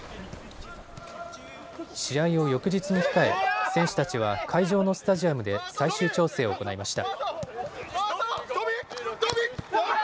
試合を翌日に控え選手たちは会場のスタジアムで最終調整を行いました。